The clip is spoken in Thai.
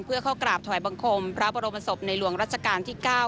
เพื่อเข้ากราบถวายบังคมพระบรมศพในหลวงรัชกาลที่๙